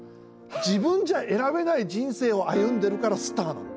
自分じゃ選べない人生を歩んでるからスターなの。